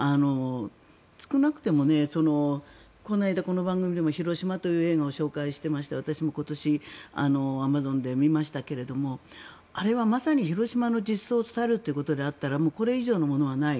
少なくともこの間この番組でも「広島」という映画を紹介していまして私も今年アマゾンで見ましたけどあれはまさに広島の実相を伝えるというものであったらこれ以上のものはない。